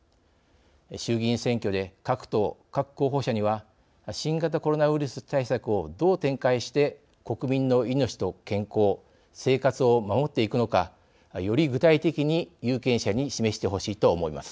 衆議院選挙で各党各候補者には新型コロナウイルス対策をどう展開して国民の命と健康生活を守っていくのかより具体的に有権者に示してほしいと思います。